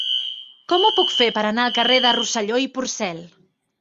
Com ho puc fer per anar al carrer de Rosselló i Porcel?